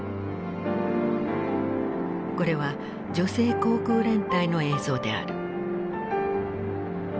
これは女性航空連隊の映像である。